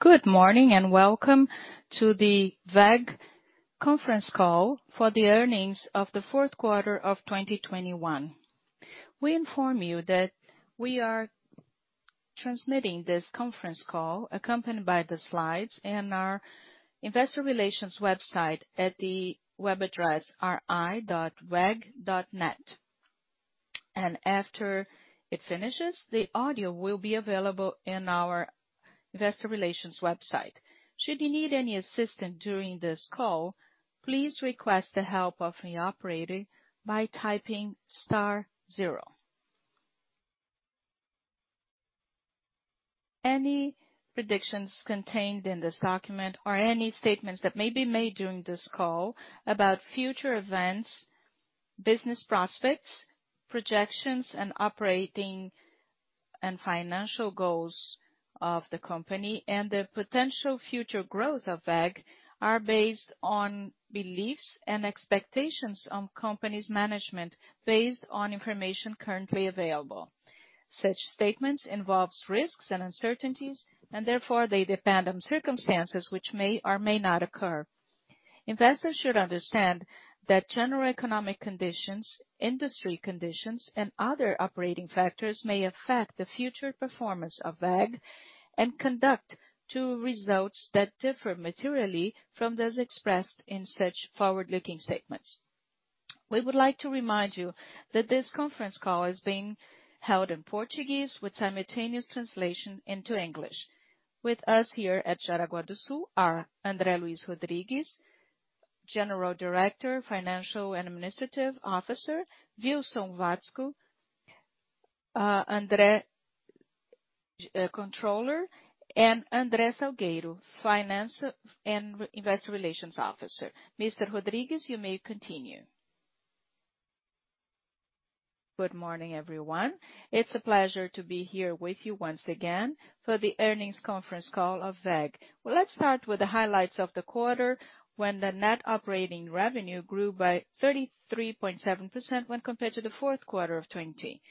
Good morning and welcome to the WEG conference call for the earnings of the fourth quarter of 2021. We inform you that we are transmitting this conference call accompanied by the slides in our Investor Relations website at the web address ri.weg.net. After it finishes, the audio will be available in our Investor Relations website. Should you need any assistance during this call, please request the help of the operator by typing star zero. Any predictions contained in this document or any statements that may be made during this call about future events, business prospects, projections, and operating and financial goals of the company and the potential future growth of WEG are based on beliefs and expectations on company's Management based on information currently available. Such statements involves risks and uncertainties, and therefore they depend on circumstances which may or may not occur. Investors should understand that general economic conditions, industry conditions, and other operating factors may affect the future performance of WEG and lead to results that differ materially from those expressed in such forward-looking statements. We would like to remind you that this conference call is being held in Portuguese with simultaneous translation into English. With us here at Jaraguá do Sul are André Luís Rodrigues, General Director, Financial and Administrative Officer, Wilson Watzko, Controller, and André Menegueti Salgueiro, Finance Director and Investor Relations Officer. Mr. Rodrigues, you may continue. Good morning, everyone. It's a pleasure to be here with you once again for the earnings conference call of WEG. Well, let's start with the highlights of the quarter when the net operating revenue grew by 33.7% when compared to the fourth quarter of 2020.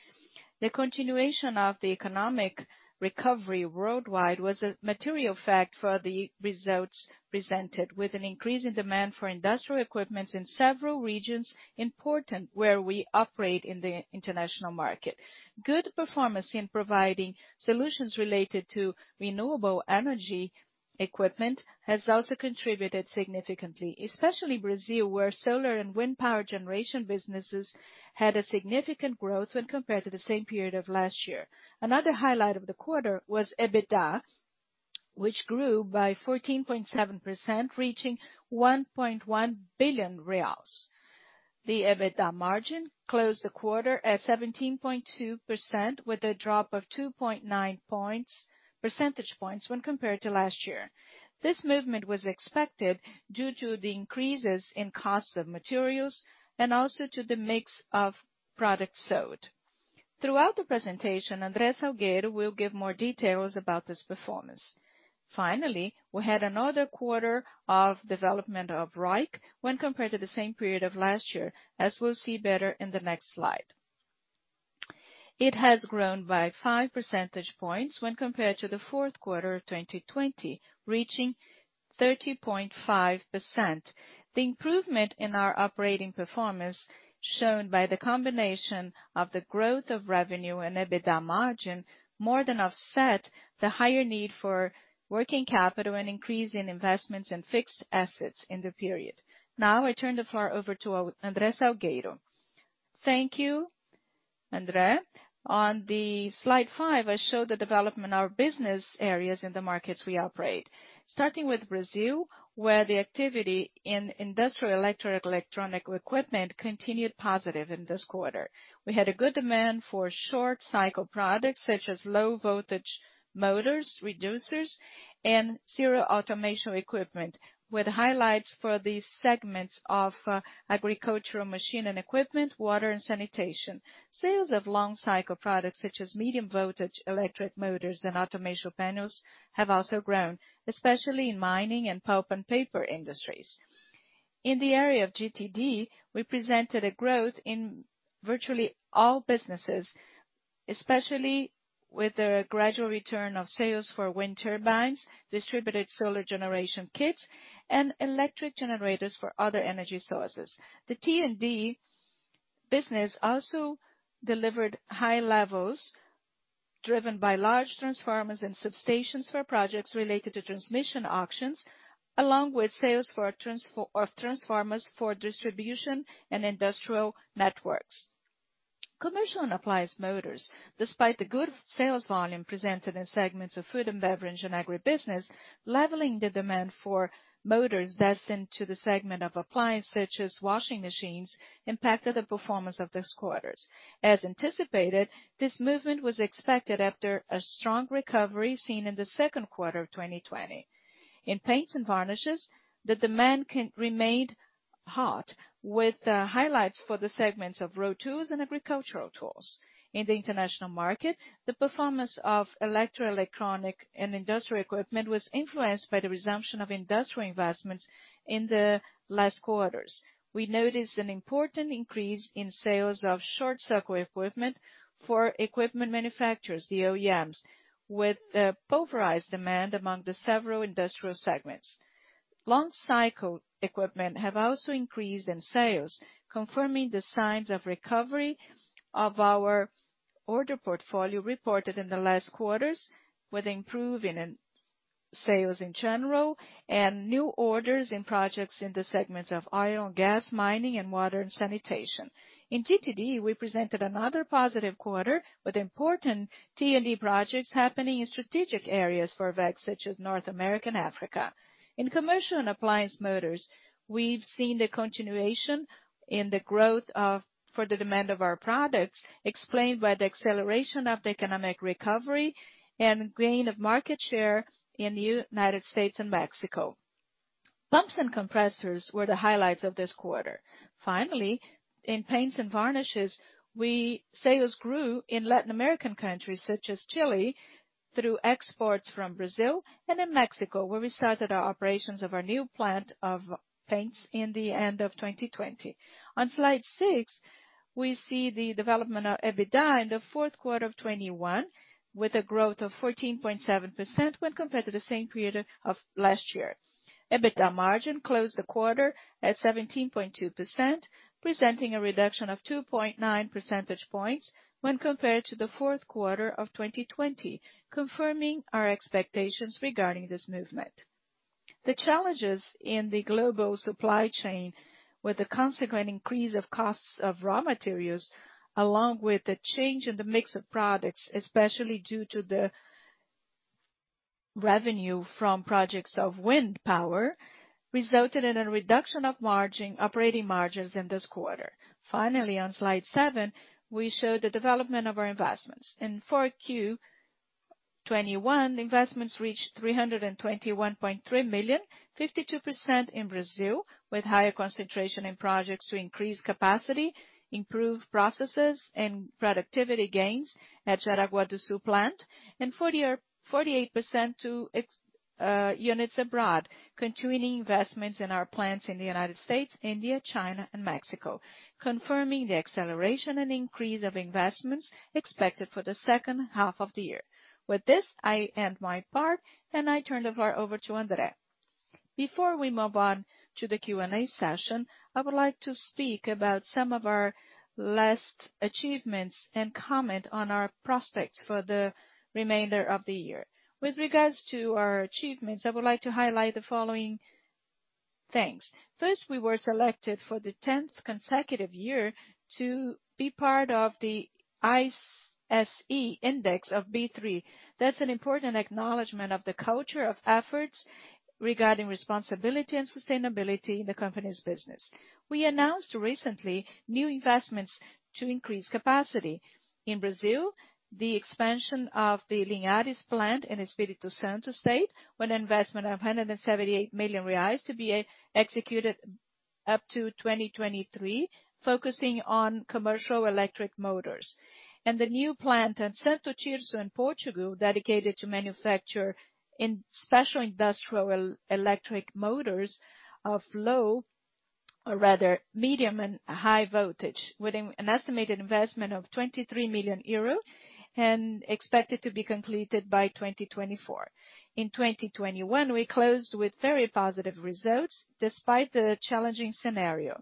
The continuation of the economic recovery worldwide was a material fact for the results presented with an increase in demand for industrial equipment in several important regions where we operate in the international market. Good performance in providing solutions related to renewable energy equipment has also contributed significantly, especially in Brazil, where solar and Wind Power generation businesses had a significant growth when compared to the same period of last year. Another highlight of the quarter was EBITDA, which grew by 14.7%, reaching BRL 1.1 billion. The EBITDA margin closed the quarter at 17.2% with a drop of 2.9 percentage points when compared to last year. This movement was expected due to the increases in cost of materials and also to the mix of products sold. Throughout the presentation, André Salgueiro will give more details about this performance. Finally, we had another quarter of development of ROIC when compared to the same period of last year, as we'll see better in the next slide. It has grown by 5 percentage points when compared to the fourth quarter of 2020, reaching 30.5%. The improvement in our operating performance shown by the combination of the growth of revenue and EBITDA margin more than offset the higher need for working capital and increase in investments in fixed assets in the period. Now I turn the floor over to André Salgueiro. Thank you, André. On the slide five, I show the development of business areas in the markets we operate. Starting with Brazil, where the activity in Industrial Electro-Electronic Equipment continued positive in this quarter. We had a good demand for short cycle products such as low-voltage motors, reducers, and serial automation equipment, with highlights for these segments of agricultural machinery and equipment, water and sanitation. Sales of long cycle products such as medium-voltage Electric Motors and Automation panels have also grown, especially in Mining and Pulp and Paper industries. In the area of GTD, we presented a growth in virtually all businesses, especially with the gradual return of sales for Wind Turbines, distributed solar generation kits, and electric generators for other energy sources. The T&D business also delivered high levels driven by large transformers and substations for projects related to transmission auctions, along with sales of transformers for distribution and industrial networks. Commercial and Appliance Motors, despite the good sales volume presented in segments of food and beverage and agribusiness, leveling the demand for motors destined to the segment of appliance such as washing machines impacted the performance of these quarters. As anticipated, this movement was expected after a strong recovery seen in the second quarter of 2020. In paints and varnishes, the demand remained hot with highlights for the segments of road tools and agricultural tools. In the international market, the performance of Electro-Electronic, and industrial equipment was influenced by the resumption of industrial investments in the last quarters. We noticed an important increase in sales of short cycle equipment for equipment manufacturers, the OEMs, with a pulverized demand among the several industrial segments. Long-cycle equipment have also increased in sales, confirming the signs of recovery of our order portfolio reported in the last quarters, with improving in sales in general and new orders in projects in the segments of Oil and Gas Mining and water and sanitation. In GTD, we presented another positive quarter with important T&D projects happening in strategic areas for WEG, such as North America and Africa. In Commercial and Appliance Motors, we've seen the continuation in the growth for the demand of our products, explained by the acceleration of the economic recovery and gain of market share in United States and Mexico. Pumps and compressors were the highlights of this quarter. Finally, in paints and varnishes, sales grew in Latin American countries such as Chile, through exports from Brazil and in Mexico, where we started our operations of our new plant of paints in the end of 2020. On slide six, we see the development of EBITDA in the fourth quarter of 2021, with a growth of 14.7% when compared to the same period of last year. EBITDA margin closed the quarter at 17.2%, presenting a reduction of 2.9 percentage points when compared to the fourth quarter of 2020, confirming our expectations regarding this movement. The challenges in the global supply chain, with the consequent increase of costs of raw materials, along with the change in the mix of products, especially due to the revenue from projects of Wind Power, resulted in a reduction of operating margins in this quarter. Finally, on slide seven, we show the development of our investments. In 4Q 2021, investments reached 321.3 million, 52% in Brazil, with higher concentration in projects to increase capacity, improve processes and productivity gains at Jaraguá do Sul plant, and 48% to units abroad, continuing investments in our plants in the United States, India, China, and Mexico, confirming the acceleration and increase of investments expected for the second half of the year. With this, I end my part and I turn the floor over to André. Before we move on to the Q&A session, I would like to speak about some of our last achievements and comment on our prospects for the remainder of the year. With regards to our achievements, I would like to highlight the following things. First, we were selected for the tenth consecutive year to be part of the ISE B3. That's an important acknowledgment of the culture of efforts regarding responsibility and sustainability in the company's business. We announced recently new investments to increase capacity. In Brazil, the expansion of the Linhares plant in Espírito Santo state, with an investment of 178 million reais to be executed up to 2023, focusing on Commercial and Electric Motors. The new plant in Santo Tirso in Portugal dedicated to manufacture in special industrial Electric Motors of low, or rather medium and high-voltage, with an estimated investment of 23 million euro and expected to be completed by 2024. In 2021, we closed with very positive results despite the challenging scenario.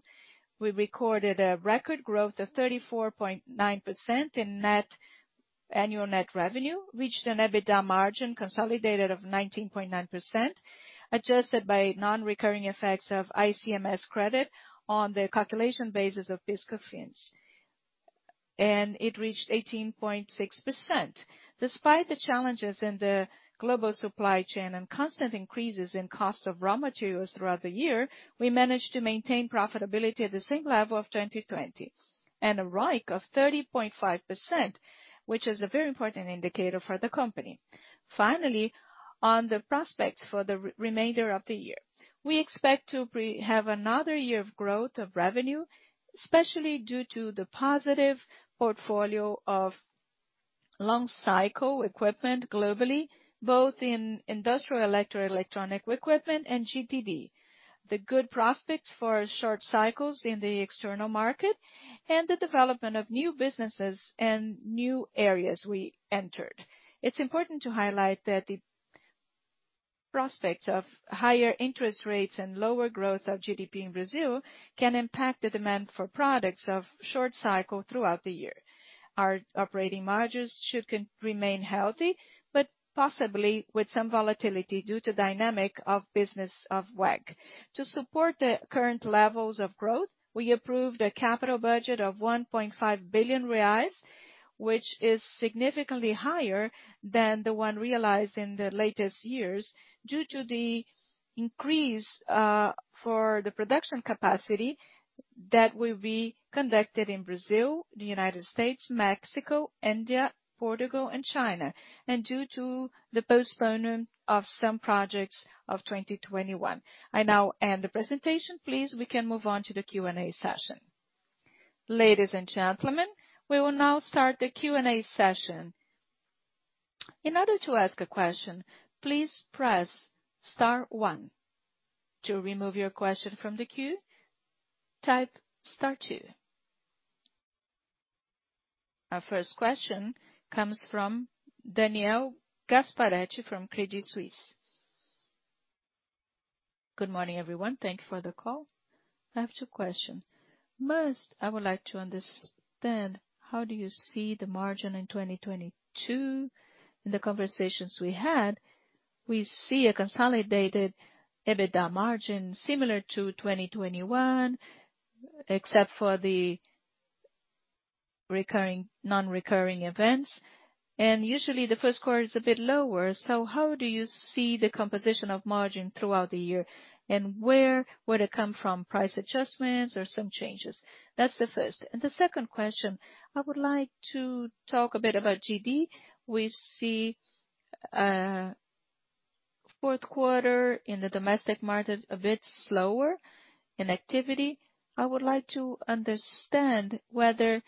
We recorded a record growth of 34.9% in annual net revenue, reached an EBITDA margin consolidated of 19.9%, adjusted by non-recurring effects of ICMS credit on the calculation basis of PIS/COFINS. It reached 18.6%. Despite the challenges in the global supply chain and constant increases in costs of raw materials throughout the year, we managed to maintain profitability at the same level of 2020, and a ROIC of 30.5%, which is a very important indicator for the company. Finally, on the prospects for the remainder of the year. We expect to have another year of growth of revenue, especially due to the positive portfolio of long-cycle equipment globally, both in Industrial Electro-Electronic Equipment and GTD, the good prospects for short cycles in the external market, and the development of new businesses and new areas we entered. It's important to highlight that the prospects of higher interest rates and lower growth of GDP in Brazil can impact the demand for products of short cycle throughout the year. Our operating margins should remain healthy, but possibly with some volatility due to dynamic of business of WEG. To support the current levels of growth, we approved a capital budget of 1.5 billion reais, which is significantly higher than the one realized in the latest years due to the increase for the production capacity that will be conducted in Brazil, the United States, Mexico, India, Portugal and China, and due to the postponement of some projects of 2021. I now end the presentation. Please, we can move on to the Q&A session. Ladies and gentlemen, we will now start the Q&A session. In order to ask a question please press star one. To remove your question from the queue type star two. Our first question comes from Daniel Gasparete from Credit Suisse. Good morning, everyone. Thank you for the call. I have two question. First, I would like to understand how do you see the margin in 2022. In the conversations we had, we see a consolidated EBITDA margin similar to 2021, except for the non-recurring events. Usually the first quarter is a bit lower. How do you see the composition of margin throughout the year, and where would it come from, price adjustments or some changes? That's the first. The second question, I would like to talk a bit about GD. We see fourth quarter in the domestic market a bit slower in activity. I would like to understand whether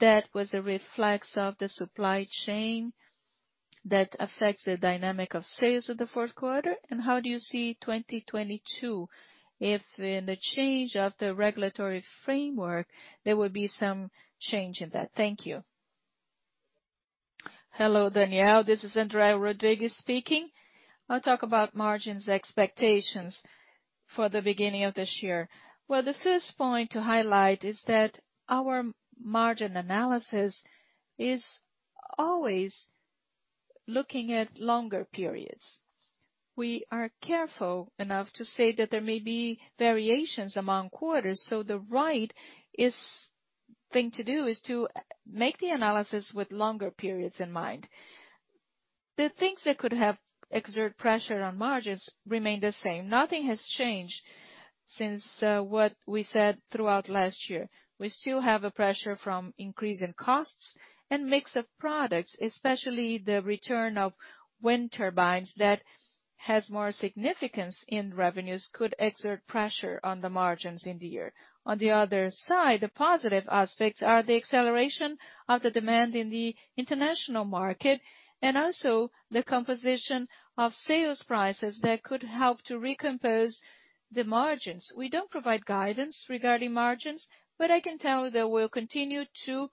that was a reflex of the supply chain that affects the dynamic of sales of the fourth quarter and how do you see 2022, if in the change of the regulatory framework there will be some change in that. Thank you. Hello, Daniel. This is André Rodrigues speaking. I'll talk about margin expectations for the beginning of this year. Well, the first point to highlight is that our margin analysis is always looking at longer periods. We are careful enough to say that there may be variations among quarters, so the right thing to do is to make the analysis with longer periods in mind. The things that could have exerted pressure on margins remain the same. Nothing has changed since what we said throughout last year. We still have a pressure from increase in costs and mix of products, especially the return of Wind Turbines that has more significance in revenues could exert pressure on the margins in the year. On the other side, the positive aspects are the acceleration of the demand in the international market and also the composition of sales prices that could help to recompose the margins. We don't provide guidance regarding margins, but I can tell you that we'll continue to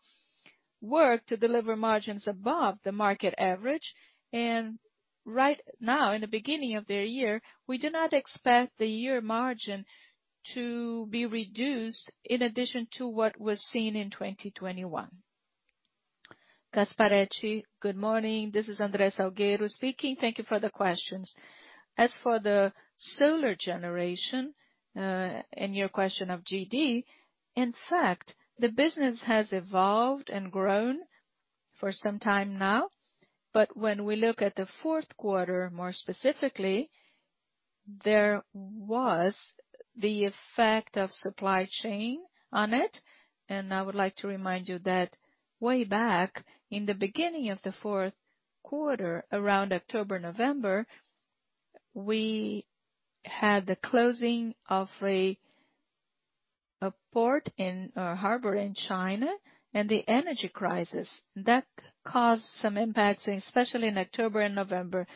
work to deliver margins above the market average. Right now, in the beginning of the year, we do not expect the year margin to be reduced in addition to what was seen in 2021. Gasparete, good morning. This is André Salgueiro speaking. Thank you for the questions. As for the solar generation, and your question of GD, in fact, the business has evolved and grown for some time now. When we look at the fourth quarter, more specifically, there was the effect of supply chain on it. I would like to remind you that way back in the beginning of the fourth quarter, around October, November, we had the closing of a port in a harbor in China and the energy crisis that caused some impacts, especially in October and November.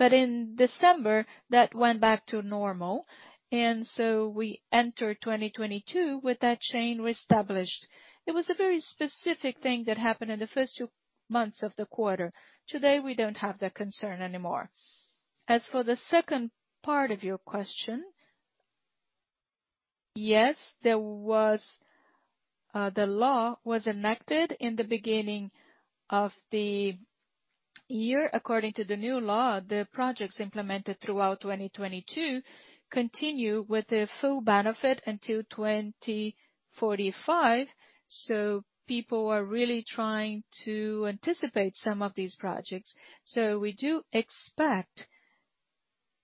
In December, that went back to normal, and so we enter 2022 with that chain reestablished. It was a very specific thing that happened in the first two months of the quarter. Today, we don't have that concern anymore. As for the second part of your question. Yes, there was, the law was enacted in the beginning of the year. According to the new law, the projects implemented throughout 2022 continue with the full benefit until 2045. People are really trying to anticipate some of these projects. We do expect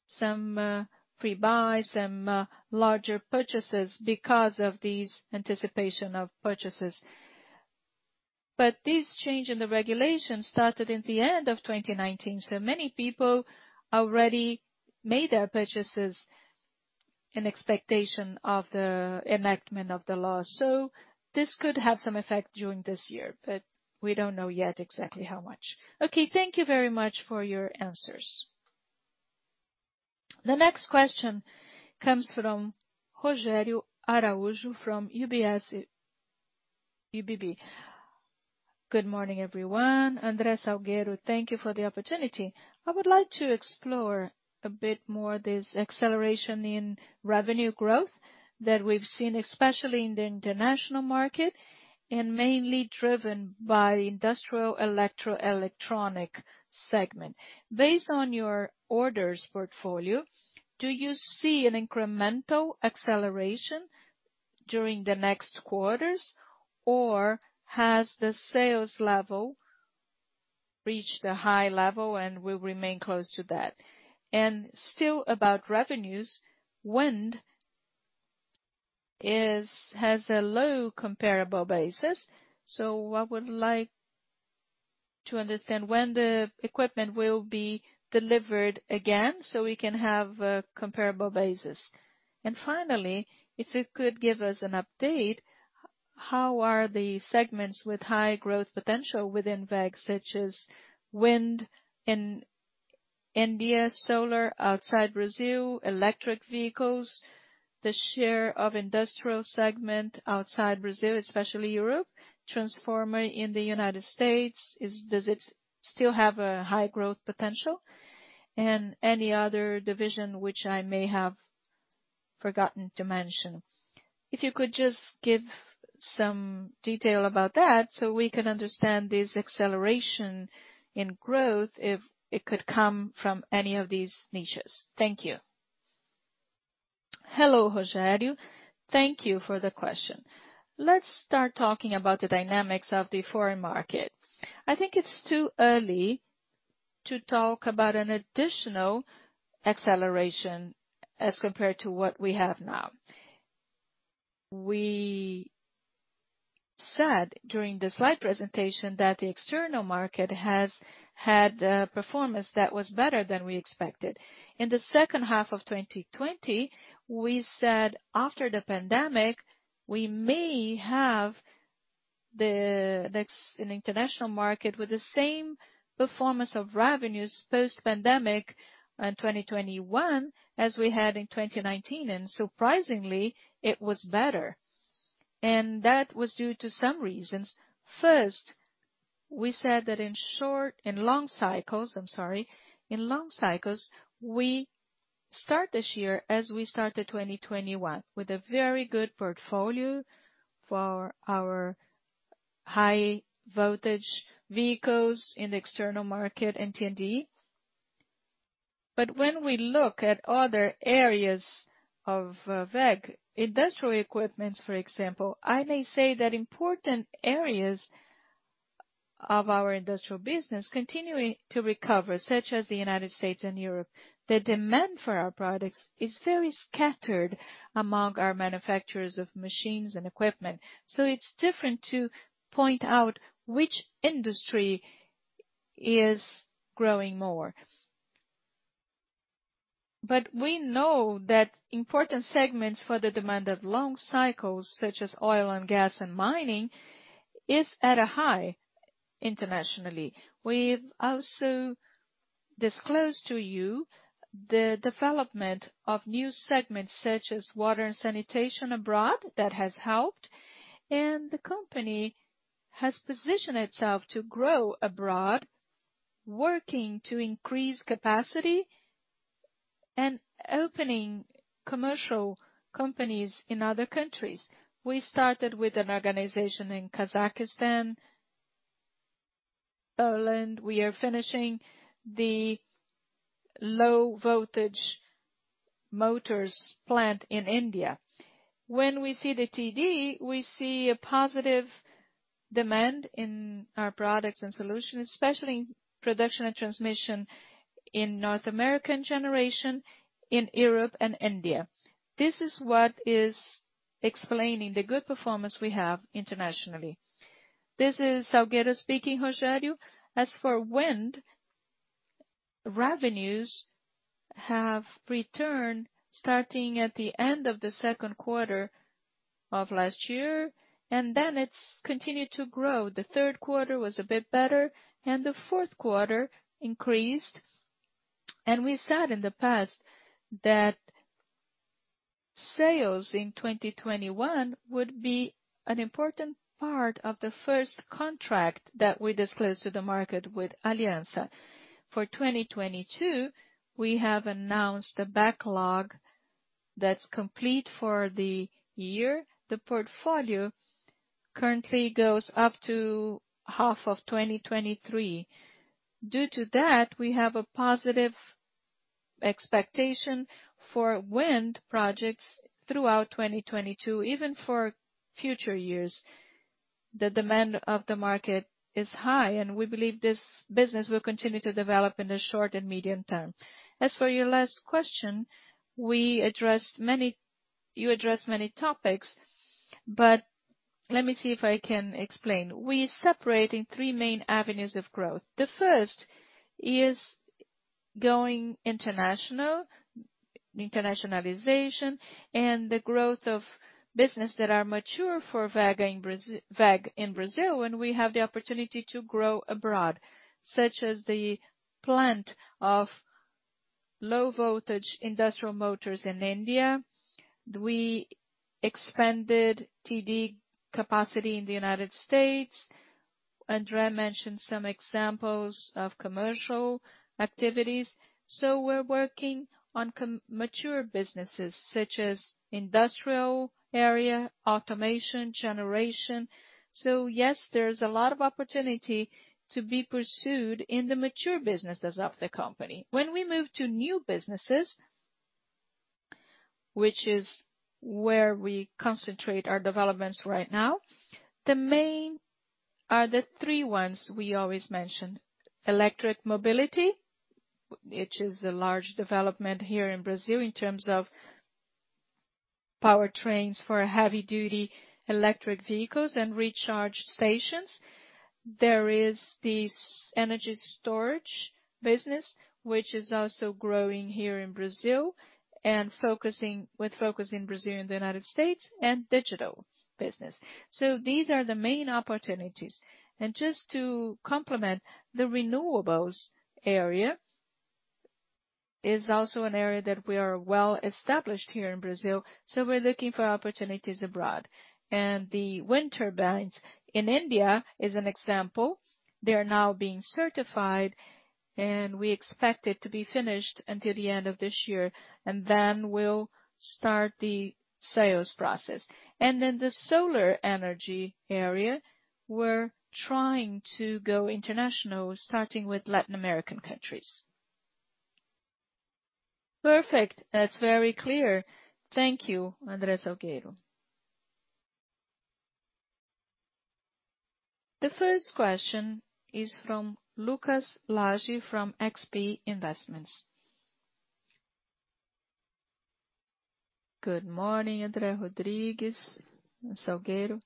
some, pre-buy, some larger purchases because of these anticipation of purchases. This change in the regulation started at the end of 2019, so many people already made their purchases in expectation of the enactment of the law. This could have some effect during this year, but we don't know yet exactly how much. Okay, thank you very much for your answers. The next question comes from Rogério Araújo from UBS BB. Good morning, everyone. André Salgueiro, thank you for the opportunity. I would like to explore a bit more this acceleration in revenue growth that we've seen, especially in the international market and mainly driven by Industrial Electro-Electronic segment. Based on your orders portfolio, do you see an incremental acceleration during the next quarters, or has the sales level reached a high level and will remain close to that? And still about revenues, wind has a low comparable basis, so I would like to understand when the equipment will be delivered again so we can have a comparable basis. Finally, if you could give us an update, how are the segments with high growth potential within WEG, such as wind and India solar outside Brazil, electric vehicles, the share of industrial segment outside Brazil, especially Europe, transformer in the United States, does it still have a high growth potential? Any other division which I may have forgotten to mention. If you could just give some detail about that, so we can understand this acceleration in growth, if it could come from any of these niches. Thank you. Hello, Rogério. Thank you for the question. Let's start talking about the dynamics of the foreign market. I think it's too early to talk about an additional acceleration as compared to what we have now. We said during the slide presentation that the external market has had performance that was better than we expected. In the second half of 2020, we said after the pandemic, we may have an international market with the same performance of revenues post pandemic in 2021 as we had in 2019, and surprisingly, it was better. That was due to some reasons. First, we said that in long cycles, we start this year as we started 2021, with a very good portfolio for our high-voltage vehicles in the external market and T&D. When we look at other areas of WEG, industrial equipment for example, I may say that important areas of our industrial business continuing to recover, such as the United States and Europe. The demand for our products is very scattered among our manufacturers of machines and equipment. It's different to point out which industry is growing more. We know that important segments for the demand of long cycles, such as Oil and Gas and Mining, is at a high internationally. We've also disclosed to you the development of new segments such as water and sanitation abroad, that has helped. The company has positioned itself to grow abroad, working to increase capacity and opening commercial companies in other countries. We started with an organization in Kazakhstan. In Ireland, we are finishing the low-voltage motors plant in India. When we see the T&D, we see a positive demand in our products and solutions, especially in production and transmission in North American generation, in Europe and India. This is what is explaining the good performance we have internationally. This is André Salgueiro speaking, Rogério. As for wind, revenues have returned starting at the end of the second quarter of last year, and then it's continued to grow. The third quarter was a bit better, and the fourth quarter increased. We said in the past that sales in 2021 would be an important part of the first contract that we disclosed to the market with Aliança. For 2022, we have announced a backlog that's complete for the year. The portfolio currently goes up to half of 2023. Due to that, we have a positive expectation for wind projects throughout 2022. Even for future years, the demand of the market is high, and we believe this business will continue to develop in the short and medium term. As for your last question, you addressed many topics, but let me see if I can explain. We separate in three main avenues of growth. The first is going international, internationalization, and the growth of business that are mature for WEG in Brazil, and we have the opportunity to grow abroad, such as the plant of low-voltage industrial motors in India. We expanded T&D capacity in the United States. André mentioned some examples of commercial activities. We're working on mature businesses such as Industrial area, Automation, Generation. Yes, there is a lot of opportunity to be pursued in the mature businesses of the company. When we move to new businesses, which is where we concentrate our developments right now, the main are the three ones we always mention. Electric mobility, which is a large development here in Brazil in terms of power trains for heavy-duty electric vehicles and recharge stations. There is this Energy Storage business, which is also growing here in Brazil and focusing with focus in Brazil and the United States and Digital business. So these are the main opportunities. Just to complement the renewables area is also an area that we are well established here in Brazil, so we're looking for opportunities abroad. The Wind Turbines in India is an example. They are now being certified, and we expect it to be finished until the end of this year, and then we'll start the sales process. Then the solar energy area, we're trying to go international, starting with Latin American countries. Perfect. That's very clear. Thank you, André Salgueiro. The next question is from Lucas Laghi from XP Investimentos. Good morning, André Rodrigues and Salgueiro.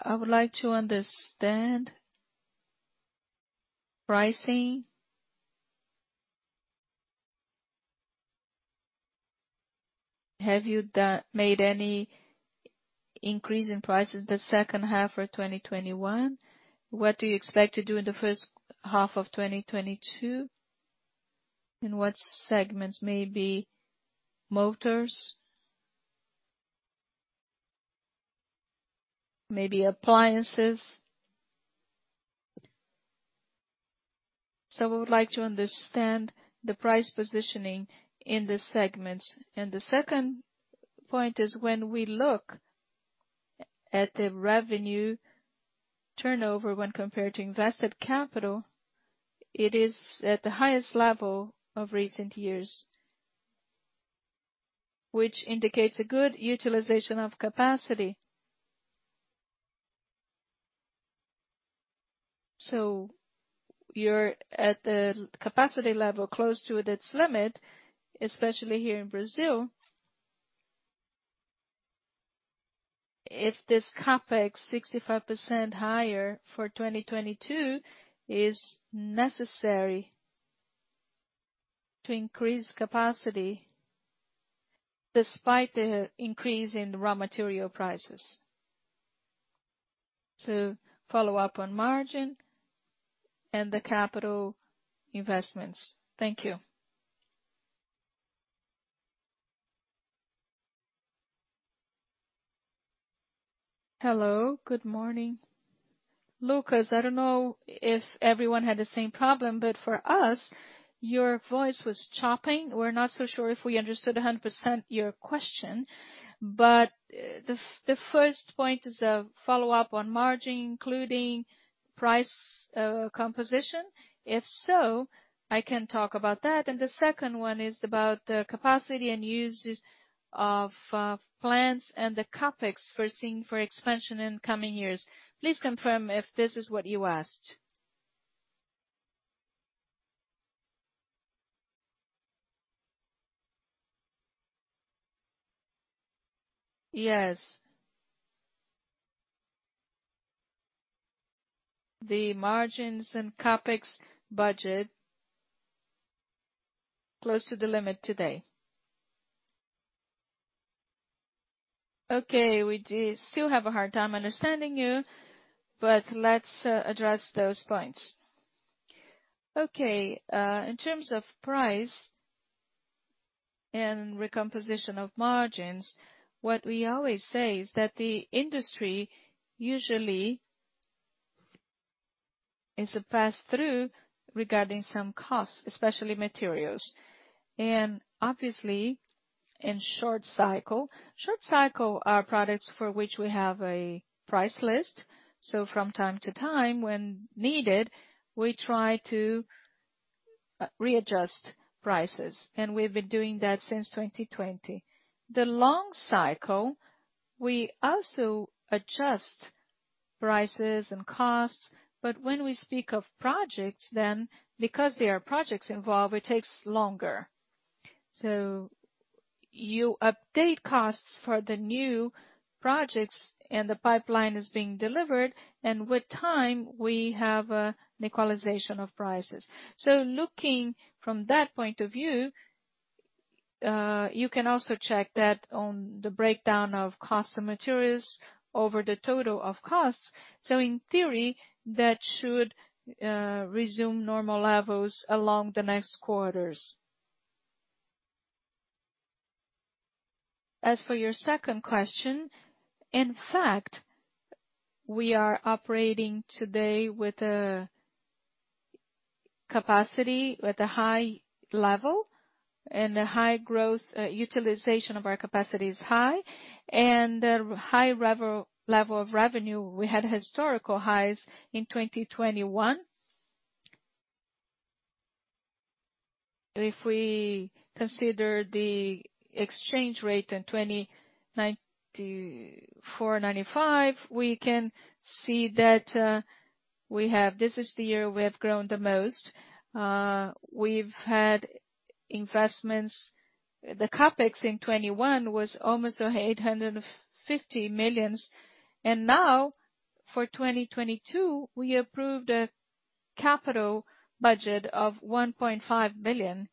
I would like to understand pricing. Have you made any increase in prices the second half of 2021? What do you expect to do in the first half of 2022, in what segments? Maybe motors, maybe appliances. We would like to understand the price positioning in these segments. The second point is when we look at the revenue turnover when compared to invested capital, it is at the highest level of recent years, which indicates a good utilization of capacity. You're at the capacity level close to its limit, especially here in Brazil. Is this CapEx 65% higher for 2022 is necessary to increase capacity despite the increase in raw material prices? To follow-up on margin and the capital investments. Thank you. Hello, good morning. Lucas, I don't know if everyone had the same problem, but for us, your voice was chopping. We're not so sure if we understood 100% your question. The first point is a follow-up on margin, including price, composition. If so, I can talk about that. The second one is about the capacity and uses of plants and the CapEx foreseen for expansion in coming years. Please confirm if this is what you asked. Yes. The margins and CapEx budget close to the limit today. Okay, we do still have a hard time understanding you, but let's address those points. Okay, in terms of price and recomposition of margins, what we always say is that the industry usually is a pass-through regarding some costs, especially materials, and obviously in short cycle. Short cycle are products for which we have a price list. So from time to time, when needed, we try to readjust prices, and we've been doing that since 2020. The long cycle, we also adjust prices and costs, but when we speak of projects then, because there are projects involved, it takes longer. You update costs for the new projects and the pipeline is being delivered, and with time, we have equalization of prices. Looking from that point of view, you can also check that on the breakdown of cost of materials over the total of costs. In theory, that should resume normal levels along the next quarters. As for your second question, in fact, we are operating today with a capacity at a high level and a high growth utilization of our capacity is high, and a high level of revenue. We had historical highs in 2021. If we consider the exchange rate in 1994, 1995, we can see that this is the year we have grown the most. We've had investments. The CapEx in 2021 was almost 850 million. Now, for 2022, we approved capital budget of 1.5 billion.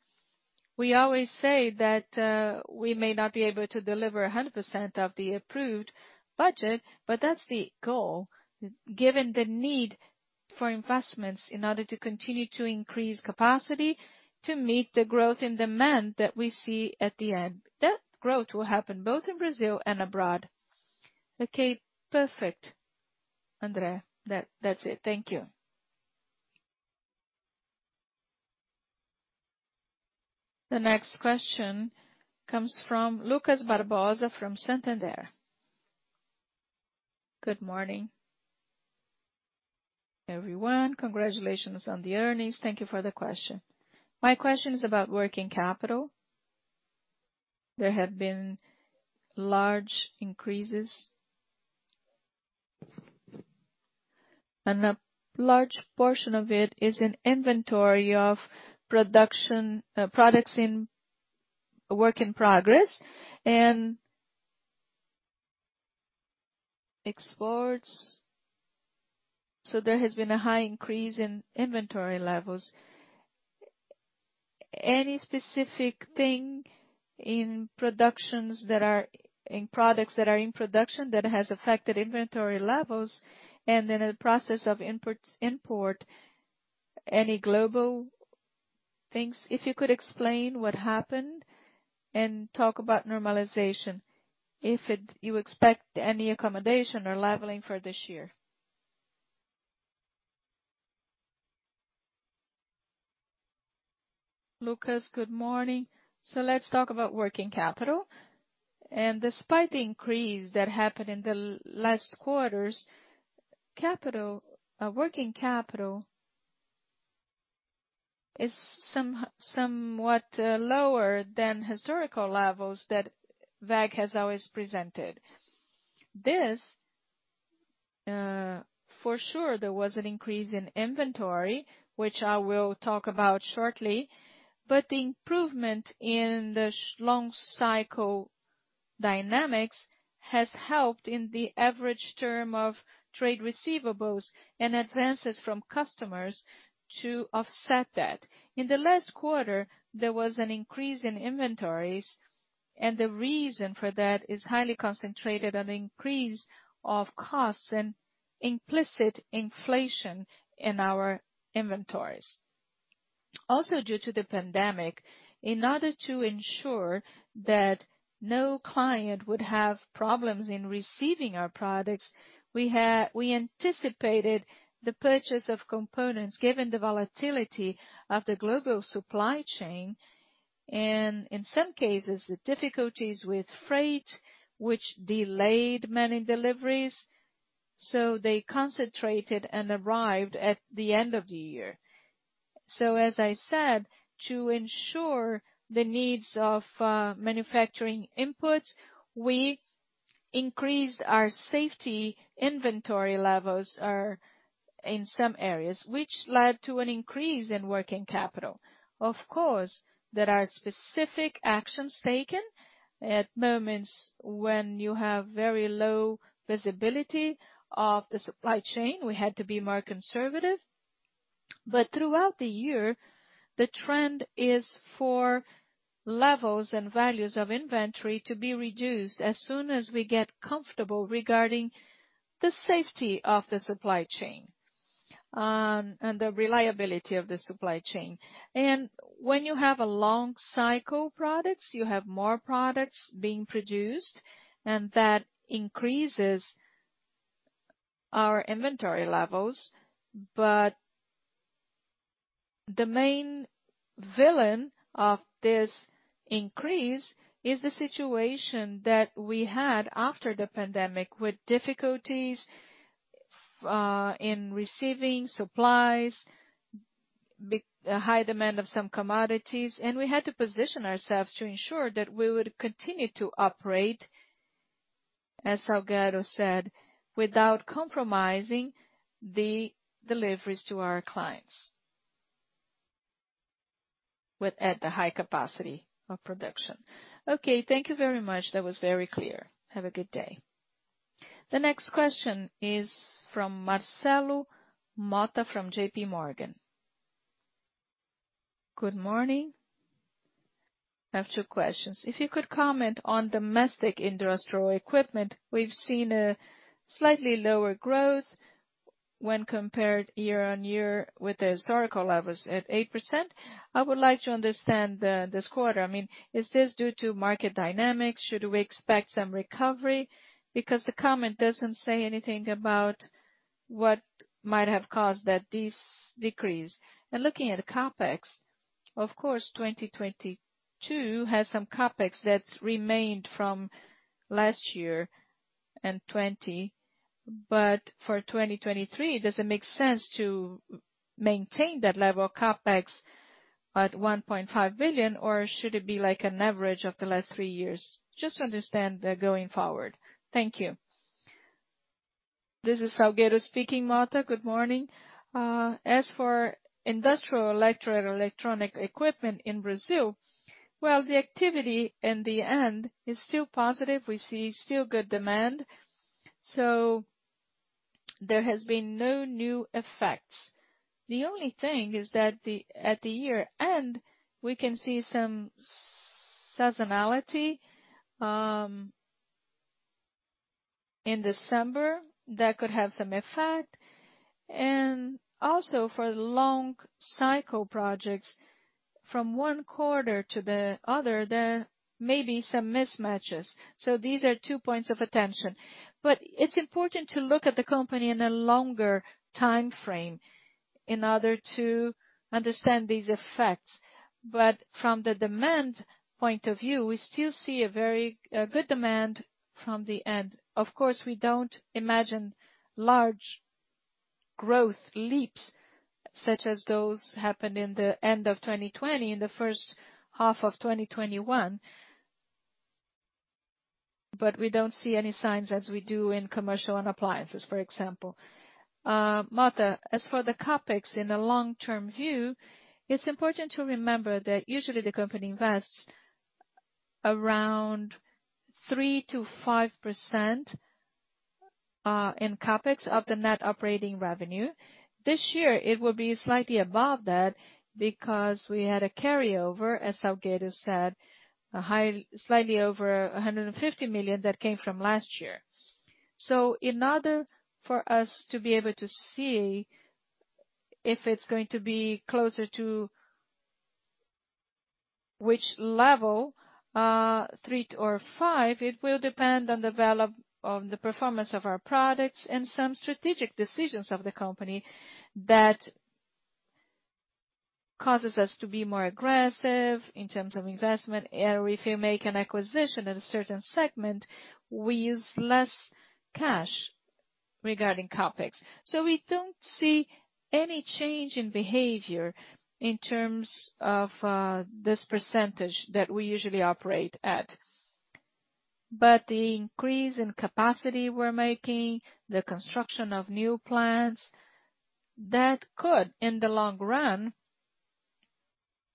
We always say that we may not be able to deliver 100% of the approved budget, but that's the goal. Given the need for investments in order to continue to increase capacity to meet the growth in demand that we see at the end. That growth will happen both in Brazil and abroad. Okay, perfect, André. That's it. Thank you. The next question comes from Lucas Barbosa from Santander. Good morning, everyone. Congratulations on the earnings. Thank you for the question. My question is about working capital. There have been large increases. A large portion of it is in inventory of products in work in progress and exports. There has been a high increase in inventory levels. Any specific thing in products that are in production that has affected inventory levels and in a process of imports, any global things? If you could explain what happened and talk about normalization, if you expect any accommodation or leveling for this year. Lucas, good morning. Let's talk about working capital. Despite the increase that happened in the last quarters, working capital is somewhat lower than historical levels that WEG has always presented. This for sure, there was an increase in inventory, which I will talk about shortly, but the improvement in the long cycle dynamics has helped in the average term of trade receivables and advances from customers to offset that. In the last quarter, there was an increase in inventories, and the reason for that is highly concentrated on increase of costs and implicit inflation in our inventories. Also, due to the pandemic, in order to ensure that no client would have problems in receiving our products, we anticipated the purchase of components given the volatility of the global supply chain, and in some cases, the difficulties with freight, which delayed many deliveries. They concentrated and arrived at the end of the year. As I said, to ensure the needs of manufacturing inputs, we increased our safety inventory levels in some areas, which led to an increase in working capital. Of course, there are specific actions taken at moments when you have very low visibility of the supply chain. We had to be more conservative. Throughout the year, the trend is for levels and values of inventory to be reduced as soon as we get comfortable regarding the safety of the supply chain, and the reliability of the supply chain. When you have long cycle products, you have more products being produced, and that increases our inventory levels. The main villain of this increase is the situation that we had after the pandemic, with difficulties in receiving supplies, high demand of some commodities, and we had to position ourselves to ensure that we would continue to operate, as Salgueiro said, without compromising the deliveries to our clients with the high capacity of production. Okay, thank you very much. That was very clear. Have a good day. The next question is from Marcelo Motta from JPMorgan. Good morning. I have two questions. If you could comment on domestic industrial equipment. We've seen a slightly lower growth when compared year-on-year with the historical levels at 8%. I would like to understand this quarter. I mean, is this due to market dynamics? Should we expect some recovery? Because the comment doesn't say anything about what might have caused this decrease. Looking at the CapEx, of course, 2022 has some CapEx that's remained from last year and 2020. But for 2023, does it make sense to maintain that level of CapEx at 1.5 billion, or should it be like an average of the last three years? Just to understand going forward. Thank you. This is André Salgueiro speaking, Marcelo Motta. Good morning. As for Industrial Electro-Electronic Equipment in Brazil, the activity in the end is still positive. We see still good demand. There has been no new effects. The only thing is that at the year end, we can see some seasonality in December that could have some effect. Also for long-cycle projects from one quarter to the other, there may be some mismatches. These are two points of attention. It's important to look at the company in a longer timeframe in order to understand these effects. From the demand point of view, we still see a very good demand from the end. Of course, we don't imagine large growth leaps such as those happened in the end of 2020, in the first half of 2021. We don't see any signs as we do in Commercial and Appliance, for example. Motta, as for the CapEx in the long-term view, it's important to remember that usually the company invests around 3%-5% in CapEx of the net operating revenue. This year it will be slightly above that because we had a carryover, as Salgueiro said, slightly over 150 million that came from last year. In order for us to be able to see if it's going to be closer to which level, 3% or 5%. It will depend on the performance of our products and some strategic decisions of the company that causes us to be more aggressive in terms of investment. If you make an acquisition at a certain segment, we use less cash regarding CapEx. We don't see any change in behavior in terms of this percentage that we usually operate at. The increase in capacity we're making, the construction of new plants, that could, in the long run,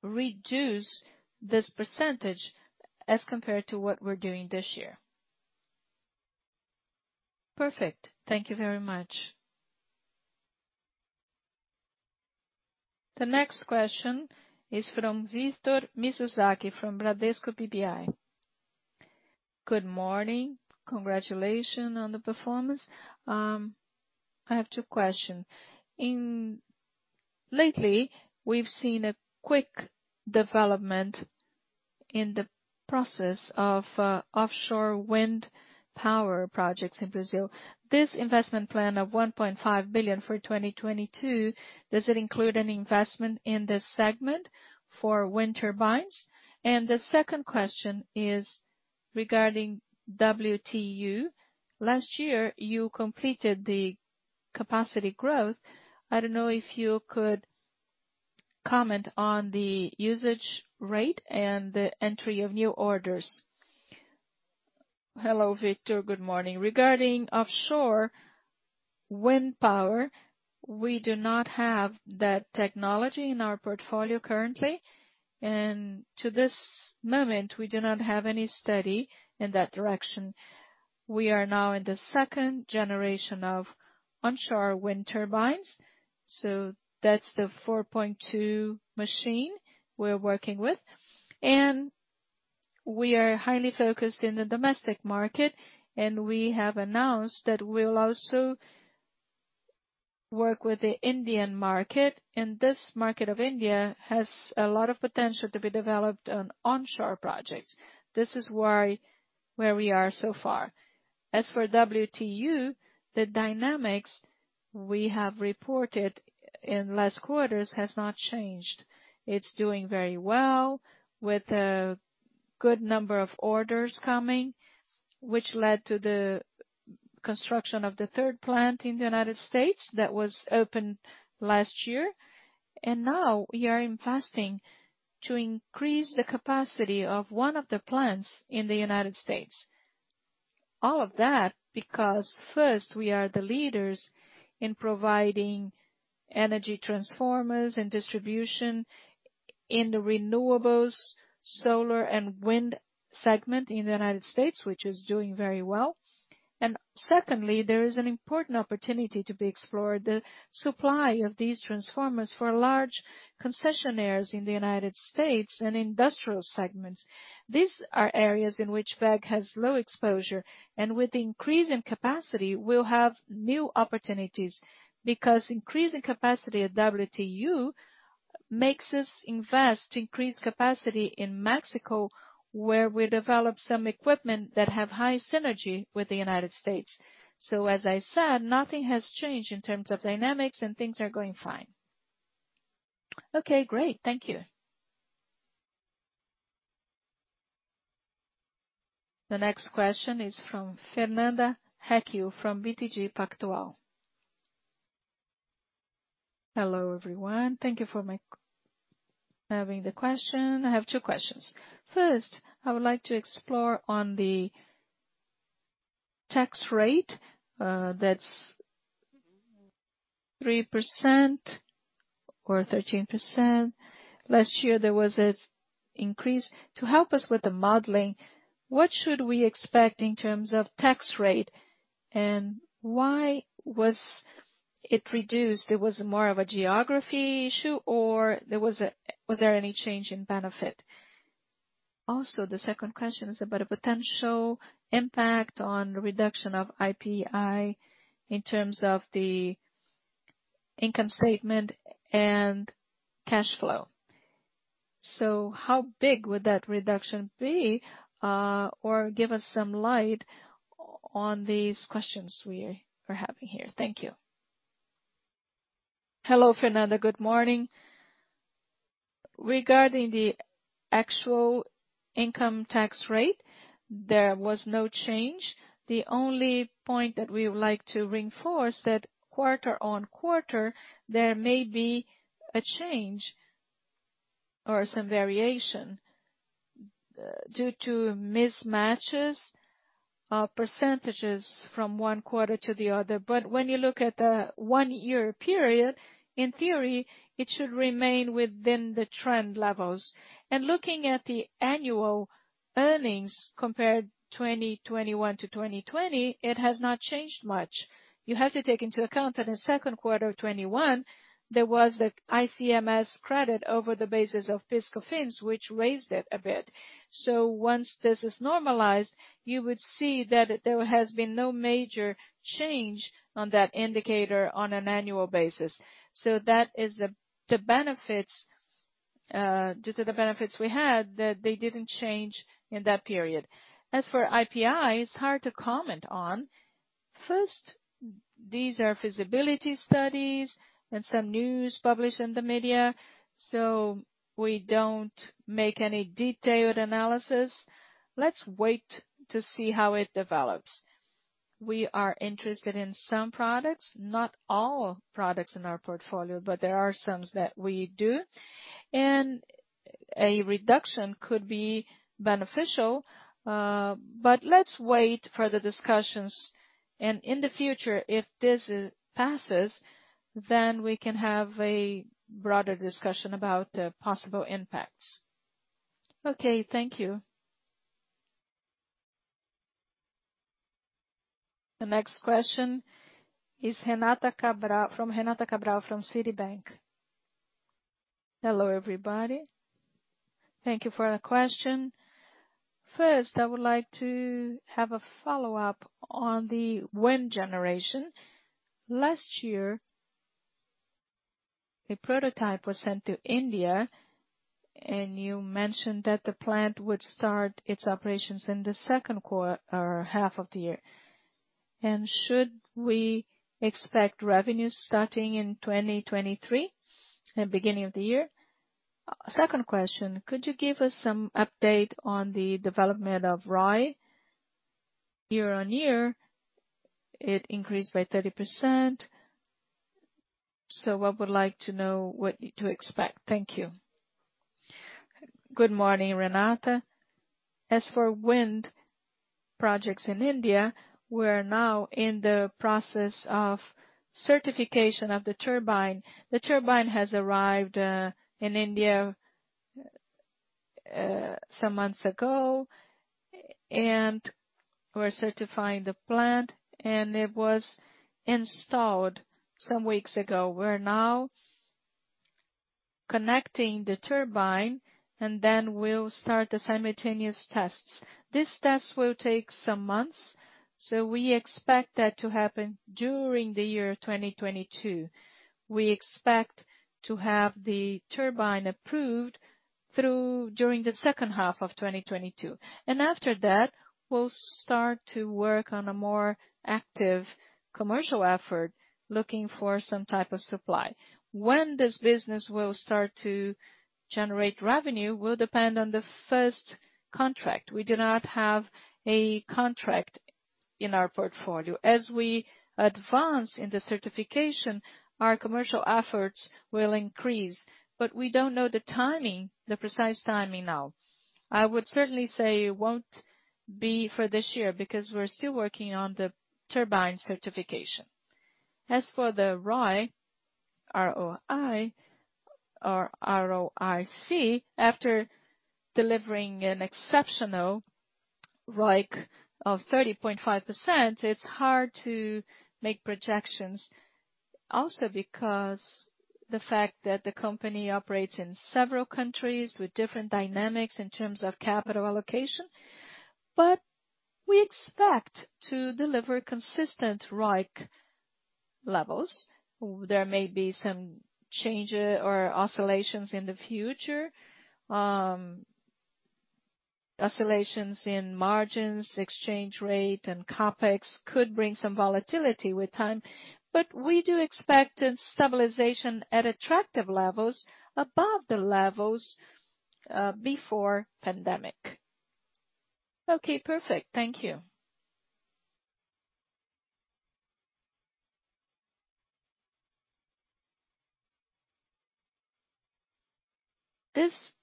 reduce this percentage as compared to what we're doing this year. Perfect. Thank you very much. The next question is from Victor Mizusaki from Bradesco BBI. Good morning. Congratulations on the performance. I have two questions. Lately, we've seen a quick development in the process of offshore Wind Power projects in Brazil. This investment plan of 1.5 billion for 2022, does it include any investment in this segment for Wind Turbines? And the second question is regarding WTU. Last year, you completed the capacity growth. I don't know if you could comment on the usage rate and the entry of new orders. Hello, Victor. Good morning. Regarding offshore Wind Power, we do not have that technology in our portfolio currently. To this moment, we do not have any study in that direction. We are now in the second generation of onshore Wind Turbines, so that's the 4.2 machine we're working with. We are highly focused in the domestic market, and we have announced that we'll also work with the Indian market, and this market of India has a lot of potential to be developed on onshore projects. This is where we are so far. As for WTU, the dynamics we have reported in last quarters has not changed. It's doing very well with a good number of orders coming, which led to the construction of the third plant in the United States that was opened last year. Now we are investing to increase the capacity of one of the plants in the United States. All of that because first, we are the leaders in providing energy transformers and distribution in the renewables, solar, and wind segment in the United States, which is doing very well. Secondly, there is an important opportunity to be explored, the supply of these transformers for large concessionaires in the United States and industrial segments. These are areas in which WEG has low exposure, and with the increase in capacity, we'll have new opportunities. Because increasing capacity at WTU makes us invest increased capacity in Mexico, where we develop some equipment that have high synergy with the United States. As I said, nothing has changed in terms of dynamics and things are going fine. Okay, great. Thank you. The next question is from Fernanda Recchia from BTG Pactual. Hello, everyone. Thank you for having the question. I have two questions. First, I would like to explore on the tax rate, 3% or 13%. Last year, there was an increase. To help us with the modeling, what should we expect in terms of tax rate, and why was it reduced? It was more of a geography issue, or was there any change in benefit? Also, the second question is about a potential impact on reduction of IPI in terms of the income statement and cash flow. So how big would that reduction be? Or give us some light on these questions we are having here. Thank you. Hello, Fernanda. Good morning. Regarding the actual income tax rate, there was no change. The only point that we would like to reinforce that quarter on quarter, there may be a change or some variation, due to mismatches of percentages from one quarter to the other. When you look at the one-year period, in theory, it should remain within the trend levels. Looking at the annual earnings compared 2021 to 2020, it has not changed much. You have to take into account that in the second quarter of 2021 there was the ICMS credit over the basis of PIS/COFINS, which raised it a bit. Once this is normalized, you would see that there has been no major change on that indicator on an annual basis. That is the benefits due to the benefits we had, that they didn't change in that period. As for IPI, it's hard to comment on. First, these are feasibility studies and some news published in the media. We don't make any detailed analysis. Let's wait to see how it develops. We are interested in some products, not all products in our portfolio, but there are some that we do. A reduction could be beneficial, but let's wait for the discussions. In the future, if this passes, then we can have a broader discussion about the possible impacts. Okay, thank you. The next question is from Renata Cabral from Citibank. Hello, everybody. Thank you for the question. First, I would like to have a follow-up on the wind generation. Last year, a prototype was sent to India, and you mentioned that the plant would start its operations in the second half of the year. Should we expect revenues starting in 2023, beginning of the year? Second question, could you give us some update on the development of ROI? Year-on-year, it increased by 30%. I would like to know what to expect. Thank you. Good morning, Renata. As for wind projects in India, we're now in the process of certification of the turbine. The turbine has arrived in India some months ago, and we're certifying the plant, and it was installed some weeks ago. We're now connecting the turbine, and then we'll start the simultaneous tests. These tests will take some months, so we expect that to happen during the year 2022. We expect to have the turbine approved during the second half of 2022. After that, we'll start to work on a more active commercial effort, looking for some type of supply. When this business will start to generate revenue will depend on the first contract. We do not have a contract in our portfolio. As we advance in the certification, our commercial efforts will increase, but we don't know the timing, the precise timing now. I would certainly say it won't be for this year because we're still working on the turbine certification. As for the ROI, R-O-I or R-O-I-C, after delivering an exceptional ROIC of 30.5%, it's hard to make projections also because the fact that the company operates in several countries with different dynamics in terms of capital allocation. We expect to deliver consistent ROIC levels. There may be some changes or oscillations in the future. Oscillations in margins, exchange rate, and CapEx could bring some volatility with time. We expect a stabilization at attractive levels above the levels before pandemic. Okay, perfect. Thank you.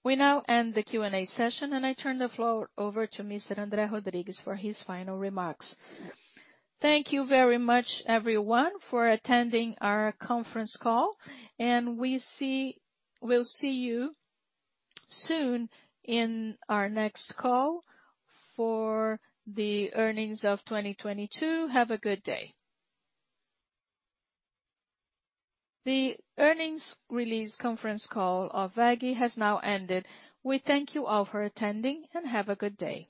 We now end the Q&A session, and I turn the floor over to Mr. André Rodrigues for his final remarks. Thank you very much, everyone, for attending our conference call. We'll see you soon in our next call for the earnings of 2022. Have a good day. The earnings release conference call of WEG has now ended. We thank you all for attending, and have a good day.